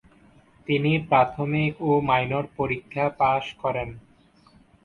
তিনি প্রাথমিক ও মাইনর পরীক্ষা পাস করেন।